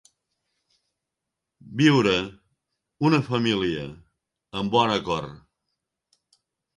Viure, una família, en bon acord.